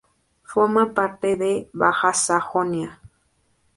Forma parte de Baja Sajonia.